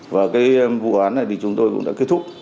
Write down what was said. và cái vụ án này thì chúng tôi cũng đã kết thúc